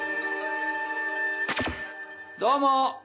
どうも！